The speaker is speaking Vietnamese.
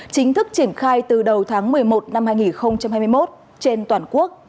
chính thức triển khai từ đầu tháng một mươi một năm hai nghìn hai mươi một trên toàn quốc